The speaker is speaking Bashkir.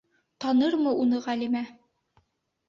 Танырмы уны Ғәлимә?